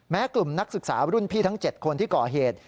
กลุ่มนักศึกษารุ่นพี่ทั้ง๗คนที่ก่อเหตุ